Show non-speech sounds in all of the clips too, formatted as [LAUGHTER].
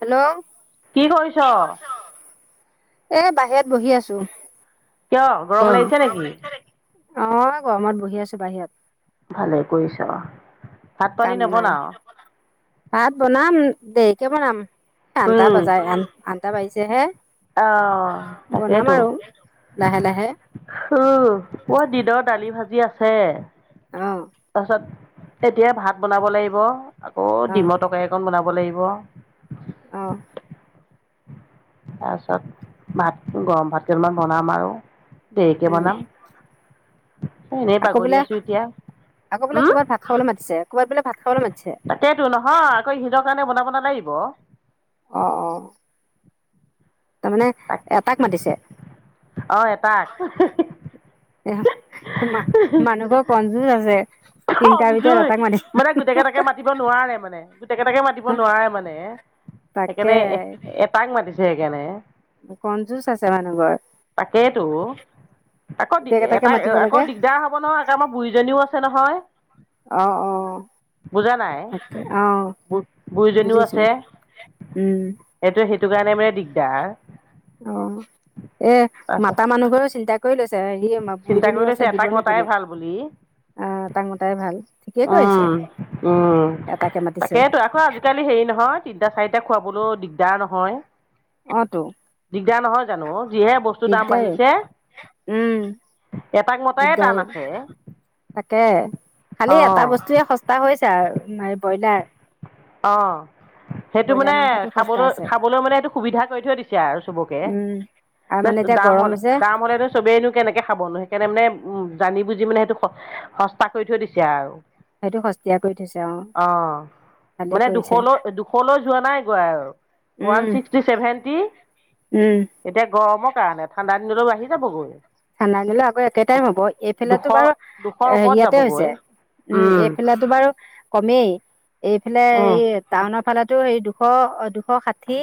Hello? কি কৰিছ? এ, বাহিৰত বহি আছোঁ‌। কিয়? গৰম লাগিছে নেকি? অ', গৰমত বহি আছোঁ‌ বাহিৰত। ভালেই কৰিছ। ভাত পানী কাম নাই নবনাও ভাত বনাম দেৰিকে বনাম। আনটা বাজাই আন আনটা বাজিছে হে। অ' তাকেটো। লাহে লাহে হ মোৰ দিনৰ দালি ভাজি আছে। অ'। তাৰপিছত এতিয়া ভাত বনাব লাগিব আকৌ অ ডিমৰ তৰকাৰি অকণ বনাব লাগিব। অ'। তাৰপিছত ভাত গৰম ভাত কেইটামান বনাম আৰু দেৰিকে উম বনাম এনেই আকৌ বাগৰি আছো এতিয়া উম'। খাবলে মাতিছে, ক'ৰবাত বোলে ভাত খাবলে মাতিছে। তাকেইতো নহয় আকৌ ইহঁতৰ কাৰণে বনাব নালাগিব। অ' অ'। তাৰমানে তাক এটাক মাতিছে। অ' এটাক। [UNINTELLIGIBLE] মা মানুহঘৰ কনজোজ আছে। তিনিটা ভিতৰত খমজুই এটাক মানে গোটেই কেইটাকে মাতিছে। মাতিব নোৱাৰে মানে গোটেইকেইটাকে মাতিব নোৱাৰে মানে তাকে সেইকাৰণে একেবাৰে [UNINTELLIGIBLE] তাক মাতিছে সেইকাৰণে। কনজোজ আছে মানুহ ঘৰ। তাকেতো। আকৌ গোটেই [UNINTELLIGIBLE] কেইটাকে মাতিব এটাক লাগে দিগদাৰ‌ হ'ব নহয়। আমাৰ বুৰিজনিও আছে নহয়। অ' অ'। বুজা নাই অ' অ' বুজিছো উম। সেইটোৱে সেইটো কাৰণে মানে দিগদাৰ। অ'এ তাৰপিছত মাতা মানুহঘৰেও চিন্তা কৰি লৈছে। হেৰি চিন্তা কৰি বুৰিজনীও আছে লৈছে এটাক দিবনো মতাই কোনে, ভাল বুলি আহ তাক মতাই ভাল। ঠিকেই কৰিছে উম, উম, এটাকে মাতিছে তাকেইতো আকৌ আজিকালি হেৰি নহয়, তিনটা, চাৰিটা, খুৱাবলৈ দিগদাৰ নহয়। অ তো দিগদাৰ নহয় জানো, যিহে বস্তুৰ দাম দিগদাৰেই বাঢ়িছে। উম এটাক মতাই টান দিগদাৰেই আছে। তাকে, খালি এটা অঁ বস্তুৱে সস্তা হৈছে আৰু ব্ৰইলাৰ। অ'। সেইটো ব্ৰইলাৰ মানে মাংসটো সস্তা খাবলৈ আছে খাবলৈ মানে সেইটো সুবিধা কৰি থৈ দিছে আৰু চবকে। উম আৰু মানে [UNINTELLIGIBLE] এতিয়া দাম গৰম হ'লে, যে দাম হ'লেটো চবেইনো কেনেকে খাবনো, সেইকাৰণে মানে উম, জানি বুজি মানে সেইটো সস্তা কৰি থৈ দিছে আৰু। সেইটো সস্তীয়া কৰি থৈছে অ'। অঁ ভালেই মানে কৰিছে দুশলৈ, দুশলৈ যোৱা নাই, [UNINTELLIGIBLE] উম ওৱান ছিক্সটি, চেভেণ্টি। উম। এতিয়া গৰমৰ কাৰণে, ঠাণ্ডা দিনলৈ বাঢ়ি যাবগৈ। ঠাণ্ডা দিলে আকৌ একেতাই দুশ হ'ব দুশ এইফেলেতো বাৰু দুশৰ ওপৰত হেৰিয়াতে হৈছে। যাবগৈ উম, এইফালে বাৰু কমেই, এইফালে উম এই টাউনৰ ফালটো সেই দুশ, দুশ ষাঠি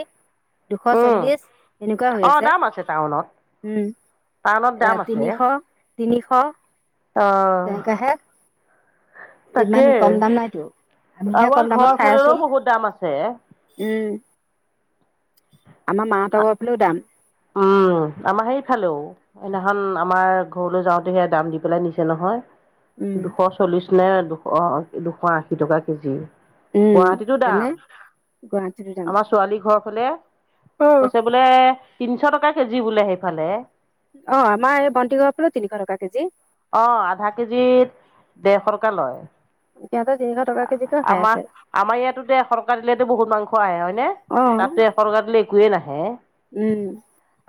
দুশ উম চল্লিশ এনেকুৱা হৈ অঁ আছে দাম টাউনত উম। টাউনত এ দাম আছে তিনিশ, তিনিশ, অ', তেনেকা হে। ইমান তাকেই কম দাম নাইতো। আমিহে কম আমাৰ দামত ঘৰ খাই আছো ফাললেও বহুত দাম আছে। উম, আমাৰ মাহঁতৰ ঘৰ ফালেও দাম। উম, আমাৰ সেই ফালেও। সেইনাখন আমাৰ ঘৰলৈ যাওঁতে সেয়া দাম দি পেলাই নিছে নহয়। উম দুশ চল্লিশ নে, দুশ, দুশ আশী টকা কেজি। উম, গুৱাহাটীতো তেনে দাম। গুৱাহাটীতো দাম। আমাৰ ছোৱালী ঘৰফালে, অ কৈছে বোলে, তিনচ টকা কেজি বোলে সেইফালে। অ', আমাৰ এই ভণ্টি ঘৰফালেও, তিনিশ টকা কেজি। অ', আধা কেজিত ডেৰশ টকা লয়। ইয়াতে তিনিশ ট আমা-আমাৰ ইয়াতো তে এশ টকা দিলে তে বহুত মাংস আহে, হয় নে? অ তাতে এশ টকা দিলে একোৱে নাহে। উম।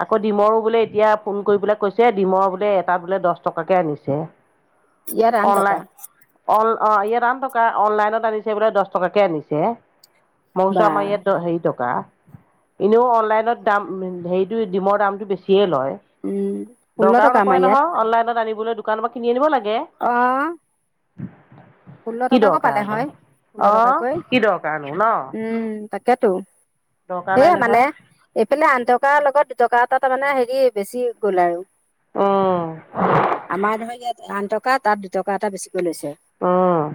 আকৌ ডিমৰো বোলে এতিয়া ফোন কৰি বোলে কৈছে ডিমৰ বোলে এটা বোলে দছ টক কাকে আনিছে, ইয়াত আঠ টকা অনলাই। অন-অ, ইয়াত আন থকা অনলাইনত আনিছে বোলে দছ টকাকে আনিছে। মই কৈছোঁ বা আমাৰ ইয়াত দ হেৰি টকা। ইনেও অনলাইনত দাম হেৰিটো ডিমৰ দামটো বেছিয়ে লয়। উম ষোল্ল দৰকাৰো টকা আমাৰ নপৰে ইয়াত নহয় অনলাইনত আনিবলৈ দোকানৰ পা কিনি আনিব লাগে। অ'। [INAUDIBLE] ষোল্ল কি টকাক পালে দৰকাৰনো হয়, ষোল্ল অ টকাকৈ। কি দৰকাৰনো ন উম, তাক কেতো, দৰকাৰ নাই সেয়া নহয় মানে। এইপেলে আন টকাৰ লগত দুটকা এটা তাৰ মানে হেৰি বেছি গ'ল আৰু। উম আমাৰ ধৰ ইয়াত আন টকা তাত দুটকা এটা বেছিকৈ লৈছে। অ',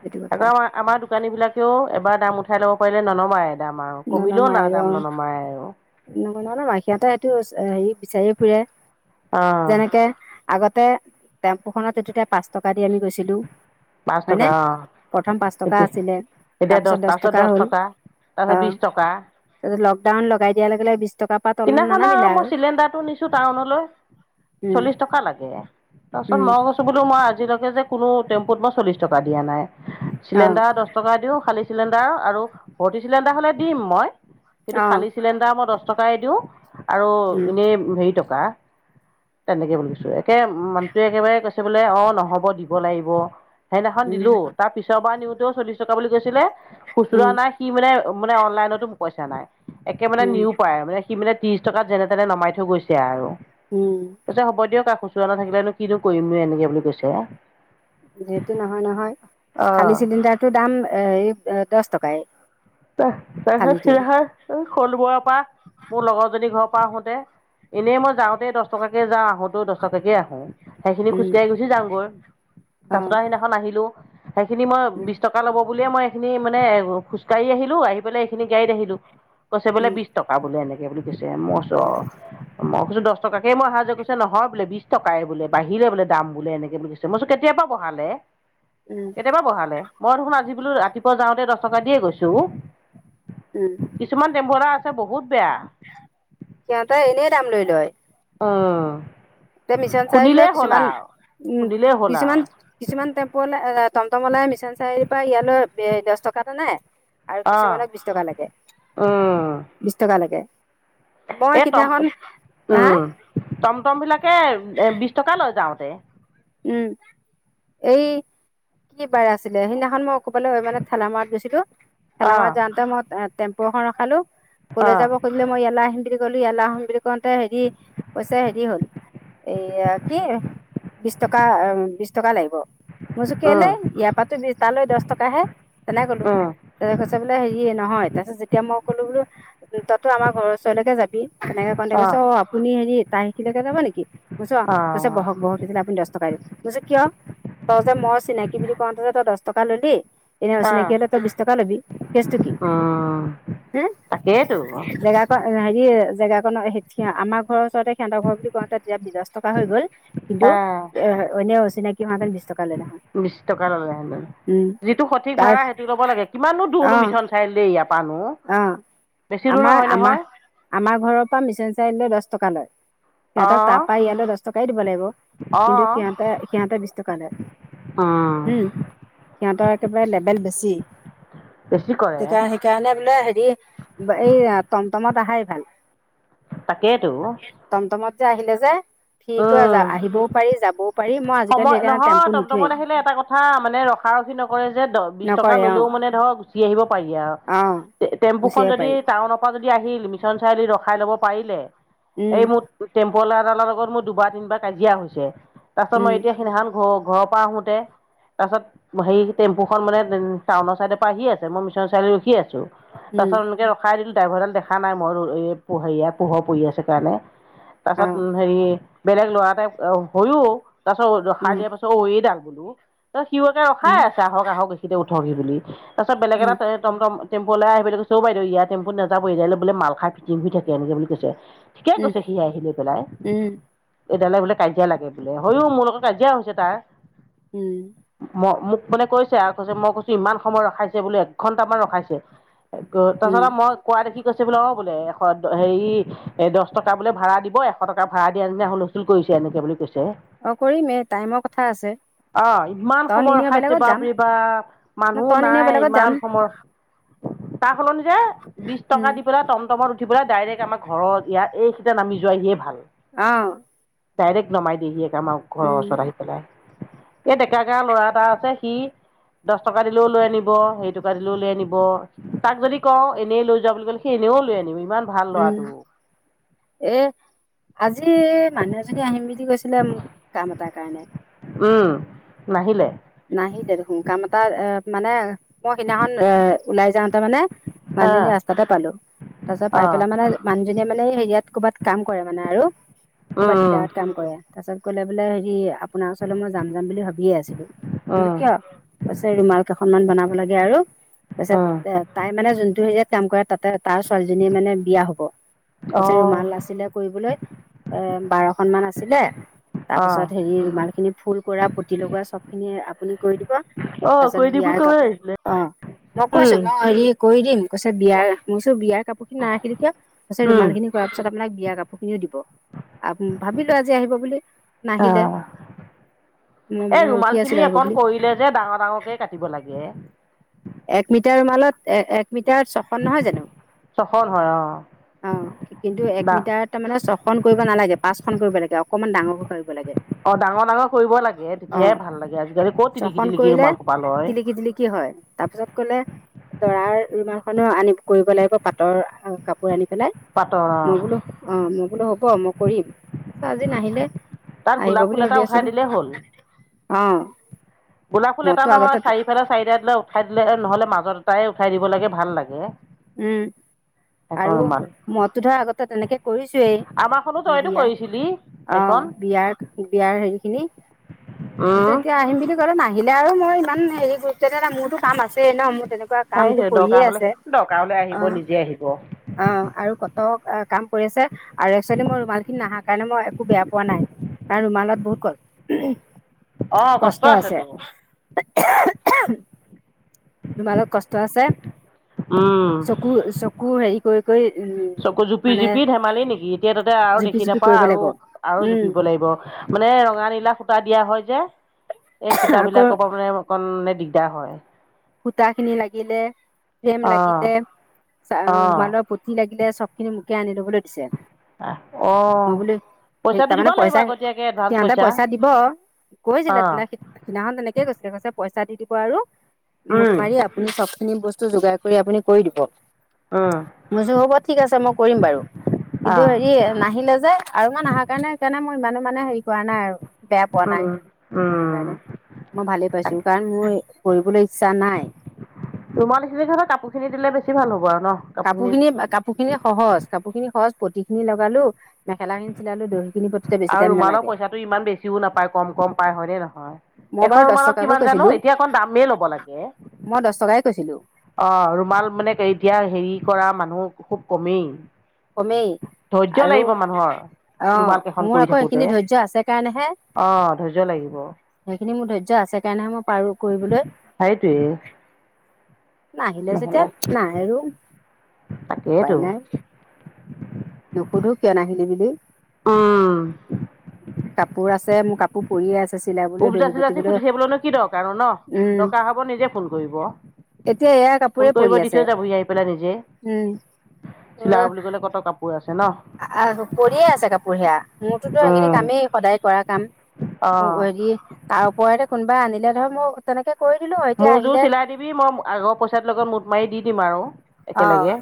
সেইটো আকৌ কথা আমা-আমাৰ দোকানীবিলাকেও এবাৰ দাম উঠাই ল'ব পাৰিলে ননমাই। দাম আৰু কমিলেও নাই দাম ননমাই আৰু। ন-ননমায়। সিহঁতে এইটো হেৰি বিচাৰিয়ে ফুৰে। অঁ যেনেকে আগতে টেম্পুখনত উঠোঁতে পাঁচ টকা দি আমি গৈছিলো। পাঁচ হয়নে টকা অ'। প্ৰথম পাঁচ টকা এতি আছিলে তাৰ এতিয়া পিছত দছ দহ তাৰছত দছ টকা। তাৰপিছত বিছ টকা। তাছত লকডাউন লগাই দিয়া লগে-লগে বিছ সিদনাখন আৰু মই চিলেণ্ডাৰটো নিছোঁ টাউনলৈ। উম চল্লিছ টকা লাগে। তাৰপিছত উম মই কৈছোঁ বোলো মই আজিলৈকে যে কোনো টেম্পুত মই চল্লিছ টকা দিয়া নাই। অ চিলেণ্ডাৰৰ দছ টকা দিওঁ খালি চিলেণ্ডাৰৰ আৰু ভৰ্তি চিলেণ্ডাৰ হ'লে দিম মই। কিন্তু অ খালি [UNINTELLIGIBLE] চিলেণ্ডাৰৰ মই দছ টকাই দিওঁ আৰু উম, ইনেই হেৰি টকা। তেনেকে বুলি কৈছোঁ। একে মানুহটোৱে একেবাৰে কৈছে বোলে অ' নহ'ব দিব লাগিব। সেইদিনাখন উম, দিলো। তাৰ পিছৰ বাৰ নিওঁতেও চল্লিছ টকা বুলি কৈছিলে, খুচুৰা উম, নাই কি মানে মানে অনলাইনতো পইচা নাই। একে মানে উম, নিউ তাৰমানে সি মানে ত্ৰিছ টকাত যেনে-তেনে নমাই থৈ গৈছে আৰু উম, তাৰছত হ'ব দিয়ক আৰু খুছ [UNINTELLIGIBLE] নাথাকিলে কিনো কৰিম নে এনেকে বুলি কৈছে। সেটো নহয় নহয়, খালী চিলিণ্ডাৰটোৰ দাম এ দছ টকাই। [UNINTELLIGIBLE] খালীটো সিনাখন শ'লমৰা পা মোৰ লগৰজনীৰ ঘৰৰ পা আহোঁতে ইনে মই যাওঁতে দছ টকাকে যাওঁ, আহোঁতেও দছ টকাকেই আহোঁ। সেইখিনি উম, খোজকাঢ়ি গুচি যামগৈ, তাৰ পিছত অ', আৰু সেইদিনাখন আহিলো। সেইখিনি মই উম, বিশ টকা ল'ব বুলিয়ে মই সেইখিনি মানে খোজ কাঢ়ি আহিলো। আহি পেলে এইখিনি গাড়ীত আহিলো, কৈছে বুলে উম, বিশ টকা বোলে এনেকে। এই বুলি কৈছে মই কৈছো অ', অ' মই কৈছোঁ দহ টাকাকেই মই অহা যোৱা কইছোঁ, নহয় বোলে বিশ টকাই বোলে বাহিলে বোলে দাম এনেকে বুলি ক মই কৈছো কেতিয়া পা বহালে? উম, কেতিয়া পা বঢ়ালে। মই দেখোন আজি বোলো ৰাতিপুৱা যাওঁতে দহ টকা দিয়ে গৈছো। উম। কিছুমান টেম্পুৱালা আছে বহুত বেয়া। সিহঁতে এনেই দাম লৈ লয়। অঁ উম। এতিয়া মিছন চাৰিআলি লৈ শুনিলেই হ'ল কিছুমান আৰু উম শুনিলেই হ'ল আৰু কিছুমান কিছুমান টেম্পৱালা টমটমআলা মিছন চাৰিআলিৰ পৰা ইয়ালৈ দহ টকা এটা নাই। আৰু অঁ কিছুমানক বিশ টকা লাগে উম বিশ টকা লাগে। এই মই সিদিনাখন, টম হা? উম টমটম বিলাকে বিশ টকা লয় যাওঁতে। উম এই। কি বাৰে আছিলে সেইদিনাখন মই ক'বালৈ মানে ঠেলা মাৰত গৈছিলো। অ ঠেলামৰাত যাওঁতে মই টেম্পু এখন ৰখালো অ ক'লৈ যাব সুধিলে মই ইয়ালে আহিম বুলি ক'লো ইয়ালে আহিম বুলি কওঁতে হেৰি, কৈছে হেৰি হ'ল এইয়া কি বিশ টকা, অম বিশ টকা লাগিব। মই কৈছো উম কেলেই ইয়াৰ পৰাটো তালৈ দহ টকাহে তেনে ক'লো। উম তাৰপিছত কৈছে বোলে হেৰি নহয়, তাৰপিছত যেতিয়া মই ক'লো বোলো তহঁতো আমাৰ ঘৰৰ ওচৰলৈকে যাবি। তেনেকে কওঁতে কৈছে অ আপুনি হেৰি তাৰ সেইখিনিলৈকে যাব নেকি মই কৈছো অ, কৈছে বহক বহক। সি কৈছে আপুনি দহ টকাই দিব। মই কৈছোঁ কিয়? তই যে মই চিনাকি বুলি কওঁতে যে তই দহ টকা ল'লি এনে অ অচিনাকি হ'লে তই বিশ টকা ল'বি। কেচটো কি উম হে? তাকেইতো জেগা হেৰি জেগাখনৰ আমাৰ ঘৰৰ ওচৰতে সিহঁতৰ ঘৰ বুলি কওঁতে তেতিয়া দহ টকা হৈ গ'ল। কিন্তু অ এ এনে অচিনাকি হোৱা হ'লে বিশ টকা লৈ ল'লে হয়। বিশ টকা ল'লে হেঁতেন। উম যিটো সঠিক তাৰ ভাড়া সেইটো ল'ব লাগে কিমানো অ দূৰনো মিছন চাৰিআলি লৈ ইয়াৰ পৰা। পাৰনো অ বেছি দূৰ আমাৰ নহয় আমাৰ নহয়। আমাৰ ঘৰৰ পৰা মিচন চাৰিআলিলৈ দছ টকা লয়। অ সিহঁতক তাৰ পাআ ইয়ালৈ দহ টকাই দিব লাগিব অ কিন্তু সিহঁতে বিশ টকা লয়। উম সিহঁতৰ একেবাৰে লেবেল বেছি। বেছি কৰে। সেইকাৰণে সেইকাৰণে বোলে হেৰি এই টমটমত আহাই ভাল। তাকেইতো টমটমত যে আহিলে যে কি কয় উম আহিবও পাৰি যাবও পাৰি মই আজিকালি সেইকাৰণে নহয় টেম্পু নুঠোৱেই টমটমত আহিলে এটা কথা, মানে ৰখাৰখি নকৰে যে দ বিশ টকা নকৰে অ ল'লেও মানে ধৰক উঠি আহিব পাৰি আৰু অহ গুচি টেম্পুখন আহিব যদি পাৰি টাউনৰ পৰা যদি আহিল মিছন চাৰিআলিত ৰখাই ল'ব পাৰিলে। উম এই মোৰ টেম্পুআলা এটা লগত মোৰ দুবাৰ তিনিবাৰ কাজিয়া হৈছে। তাৰপাছত উম মই এতিয়া সেইদিনাখন ঘৰ ঘৰৰ পৰা আহো আহোতে তে তাৰপিছত সেই টেম্পুখন মানে টাউনঅ চাইডৰ পৰা আহি আছে মই মিছনৰ চাৰিআলিত লৈ ৰখি আছো। উম তাৰপাছত এনেকে ৰখাই দিলো ড্ৰাইভাৰ ডাল দেখা নাই মই হেৰিয়া পোহৰ পৰি আছে কাৰণে। তাৰ অহ পাছত হেৰি বেলেগ ল'ৰাটাই হৈয়ও তাৰ পাছত ৰখাই উম দিয়া পাছত এইডাল বোলো সিও আকৌ ৰখাই উম আছে আহক আহক এইখিতে উঠকহি বুলি। তাৰপাছত বেলেগ উম তে টমটম টম্পুঅলাই আহি কৈছে ঔ বাইদেউ ইয়াৰ টম্পুত নাযাব এইডালে বোলে মাল খাই ফিটিং হৈ থাকে। এনেকে বুলি কৈছে। ঠিকে উম কৈছে সি আহি লৈ পেলাই উম এইডালে বোলে কাজিয়া লাগে বোলে। হয়ও মোৰ লগত কাজিয়া হৈছে তাৰ। উম'। ম মোক মানে কৈছে আৰু কৈছে মই কৈছো ইমান সময় ৰখাইছে বোলো এক ঘণ্টামান ৰখাইছে। তাৰপাছত উম আৰু মই কোৱা দেখি কৈছে বোলে অ' এশ হেৰি এ' দহ টকা বোলে ভড়া দিব এশ টকা ভাড়া দিয়া নিচিনা হুল স্তল কৰিছে এনেকে বুলি কৈছে। অ' কৰিমে টাইমৰ কথা আছে। অ' ইমান তই সময় নিনিয় ৰখাই বেলেগত যাম বাপৰে বাপ ন মানুহও তই নিনিয় নাই বেলেগত যাম ইমান সময় তাৰ সলনি যে বিছ উম টকা দি পেলাই টমটমত উঠি পেলাই ডাইৰেক্ট আমাৰ ঘৰ ইয়া এইখিতে নামি যোৱাই হিয়ে ভাল। অ'। ডাইৰেক্ট নমাই দিয়েহি আমাৰ ঘৰৰ উম ওচৰত আহি পেলাই। এই ডেকা গাৰ ল'ৰা এটা আছে সি লচ টকা দিলেও লৈ আনিব হেৰি টকা দিলেও লৈ আনিব। তাক যদি কওঁ এনেই লৈ যোৱা বুলি ক'লে সেই এনেও লৈ আনিব সি ইমান ভ উম'। এ' আজি এ' মানুহ এজনী আহিম বুলি কৈছিলে মোক কাম এটাৰ কাৰণে। উম' নাহিলে? নাহি দেখোন কাম এটা এ' মানে মই সেইদিনাখন এ' ওলাই যাওঁতে মানে। মানুহজনী আহ ৰাস্তাতে পালো তাৰ পিছত পাই পেলাই আহ মানে মানুহজনীয়ে মানে হেৰিয়াত কৰ'ৰবাত কাম কৰে মানে আৰু ক'ৰবাত উম ডিলাৰত কাম কৰে। তাৰ পিছত কলে বোলে হেৰি আপোনাৰ ওচৰ মই যাম, যাম বুলি ভাবি আছিলো মই উম বোলো উম কিয়? কৈছে ৰুমাল কেইখনমান বনাব লাগে আৰু তাৰপিছত উম এ' তাই মানে যোনটো হেৰিয়াত কাম কৰে তাতে তাৰ ছোৱালীজনীয়ে মানে বিয়া হব কৈছে অঁ ৰুমাল আছিলে কৰিবলৈ। এ' বাৰখনন মান আছিলে অঁ তাৰপিছত হেৰি ৰুমাল সেইখিনি ফুল কৰা পুতি লগোৱা চবখিনি আপুনি কৰি দিব। অ' তাৰপিছত কাৰিদিম বিয়াৰ বুলি কৱ কাপোৰ অ লাগিছিল। মই কৈছো মই হেৰি কৰি দিম কৈছে বিয়াৰ মই কিছু বিয়াৰ কাপোৰ খিনি নাৰাখিলে কিয়? কৈছে উম ৰুমাল খিনি কৰ পিছত আপোনাক বিয়া কাপোৰ খিনিও দিব আহ ভাবিলো আজি আহিব বুলি। নাহিলে অঁ ম এই ৰখি ৰুমাল খিনি আছিলে আহিব। অকণ বুলি কৰিলে যে ডাঙৰ ডাঙৰ কে কাটিব লাগে। এক মিটাৰ মালত এ' এক মিটাৰ চ নহয় জানো ছশ নহয় অঁ অ' কিন্তু এক ডা মিটাৰ তাৰ মানে ছখন কৰিব নালাগে পাঁচখনন কৰিব লাগে অকনমান ডাঙৰকে কৰিব লাগে অ' ডাঙৰ ডাঙৰ কৰিব লাগে অ তেতিয়াহাই ভাল লাগে আজিকালি ক'ত টিলিকি টিলিকি ৰুমাল সোপাল লয়। টিলিকি টিলিকি হয়। তাৰ পিছত কলে দৰাৰ ৰুমালখনো আন কৰিব লাগিব পাতৰ আ' কাপোৰ আনি। পেলাই পাটৰ অঁ মই বোলো অ' মই বোলো হ'ব মই কৰিম। তাৰ আজি নাহিলে, তাত গোলাপ আহিব ফুল বুলি এটা ভাবি উঠাই আছিলোঁ‌, দিলেই হ'ল অ'। গোলাপ ফুল এটা মইতো আগতে নহয়, চাৰিফালে চাৰিটা দিলে উঠাই দিলে নহ'লে মাজত এটা সেই উঠাই দিব লাগে, ভাল লাগে। উম। এখন আৰু ৰুমাল মইটো ধৰ আগতে তেনেকে কৰিছোয়েই, আমাৰখনো তইতো বিয়া। কৰিছিলি সেইখন অ', বিয়াৰ, বিয়াৰ হেৰি খিনি, তাৰপিছত এতিয়া আহিম বুলি নাহিলে আৰু মই ইমান হেৰি গুৰুত্ব দিয়া নাই। মোৰতো কাম আছেই ন, মোৰ তেনেকুৱা কামটো পাৰিছে, পৰিয়ে দৰকাৰ হ'লে, আছে দৰকাৰ হ'লে অ আহিব, নিজে আহিব। অ', আৰু কত কাম কৰি আছে। আৰু এক্সুৱেলি মোৰ ৰুমাল খিনি নাহা কাৰণে মই একো বেয়া পোৱা নাই। কাৰণ ৰুমালত বহুত ক, অঁ কষ্ট আছে। আছেতো ৰুমালত কষ্ট আছে। উম। মোৰ চ চক জুপি-জুপি ধেমালি নেকি, এতিয়া তাতে আৰু জুপি দেখি জুপি নাপাৱ কৰিব আৰু লাগিব আৰু উম জুপিব লাগিব। মানে ৰঙা, নীলা সূতা দিয়া হয় যে, এই আকৌ সূতাবিলাকৰ পৰা মানে অকণ মানে দিগদাৰ হয়। সূতা খিনি লাগিলে, ফ্ৰেম অঁ লাগিলে, অঁ চ-ৰুমালৰ প যি লাগিলে চবখিনি মোকে আনি লবলৈ দিছে। মই অ'। বোলো সেই তাৰমানে পইচা, সিহঁতে পইচা দিব, কৈছিলে অঁ তহ সেইদিনাখন তেনেকেই কৈছিলে, কৈছে পইচা দি দিব আৰু মোঠ উম মাৰি, আপুনি চব খিনি বস্তু যোগাৰ কৰি আপুনি কৰি দিব। মই উম কৈছোঁ হ'ব ঠিক আছে মই কৰিম বাৰু, কিন্তু অঁ হেৰি নাহিলে যে। আৰু মই নাহা কাৰণে সেইকাৰণে মই ইমানো মানে হেৰি কৰা নাই আৰু, বেয়া পোৱা নাই, উম নাহা উম কাৰণে। মই ভালে পাইছোঁ‌, কাৰণ মোৰ কৰিবলৈ ইচ্ছা নাই। ৰুমালীখিনি থকা কাপোৰ খিনি দিলে বেছি ভাল হ'ব আৰু ন? কাপোৰ কাপোৰখিনি খিনি, কাপোৰ খিনি সহজ কাপোৰ খিনি সহজ পতিখিনি লগালোঁ‌, মেখেলা খিনি চিলালোঁ‌, দহি খিনি ব আৰু ৰুমালৰ পইচাটো ইমান বেছিও নাপায়, কম কম পায়, হয়নে নহয়? মই বাৰু এখন দহ ৰুমানত টকাকৈ কিমান জানো? কৈছিলো এতিয়া অকণ দামেই ল'ব লাগে। মই দচ টকাই কৈছিলোঁ‌। অ', ৰুমাল মানে এতিয়া হেৰি কৰা মানুহ খুব কমেই। কমেই। ধৈৰ্য আৰু লাগিব মানুহৰ। অ ৰুমাল কেইখন মোৰ কৰি আকৌ থাকোতে, সেইখিনি ধৈৰ্য্য আছে কাৰণেহে অ', ধৈৰ্য লাগিব। সেইখিনি মোৰ ধৈৰ্য আছে সেই কাৰণেহে মই পাৰোঁ‌ কৰিবলৈ। সেইটোৱে। নাহিলে যেতিয়া নহ'লে নাই আৰু, উপায় তাকেইতো নাই। নুসুধো কিয় নাহিলি বুলি। অ'। কাপোৰ আছে, মোৰ কাপোৰ পৰিয়ে আছে, চিলাবলৈ, দহি উপজাচি যাচি সুধি বতিবলৈ, উম। আকৌ নিজে ফোন কৰিব। এতিয়া এয়া কাপোৰে ফোন পৰি কৰিব দি আছে থৈ যাবহি আহি পেলাই নিজে, উম চিলাও বুলি ক'লে কত কাপ কাপোৰ আছে ন? আৰু পৰিয়ে আছে কাপোৰ সেয়া মোৰতোতো সেইখিনি কামেই, সদায় কৰা কাম অ তাৰ ওপৰতে কোনোবাই আনিলে ধৰক মোক তেনেকে কৰি দিলো এতিয়া মোৰযোৰ আহিলে চিলাই দিবি, মই আগৰ পইচাটোৰ লগত মোত মাৰি দি দিম আৰু অ একেলগে।